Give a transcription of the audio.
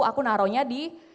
aku naronya di